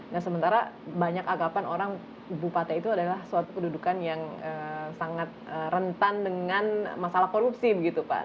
nah sementara banyak anggapan orang bupati itu adalah suatu kedudukan yang sangat rentan dengan masalah korupsi begitu pak